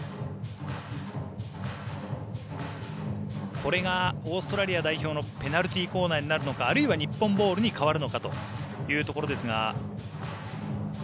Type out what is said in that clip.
これがオーストラリア代表のペナルティーコーナーになるのかあるいは日本ボールに変わるのかというところですが。